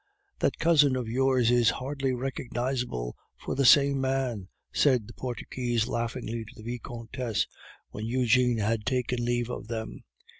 "That cousin of yours is hardly recognizable for the same man," said the Portuguese laughingly to the Vicomtesse, when Eugene had taken leave of them.